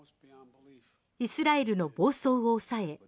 イスラエルの暴走を抑え